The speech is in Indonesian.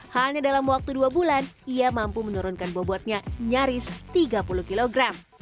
hanya dalam waktu dua bulan ia mampu menurunkan bobotnya nyaris tiga puluh kg